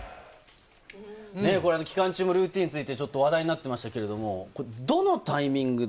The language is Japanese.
期間中もルーティンについて話題になっていましたけど、どのタイミングで？